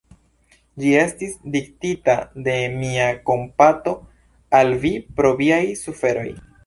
Ĝi estis diktita de mia kompato al vi pro viaj suferoj.